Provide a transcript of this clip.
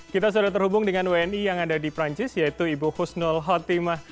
kita sudah terhubung dengan wni yang ada di perancis yaitu ibu husnul hatimah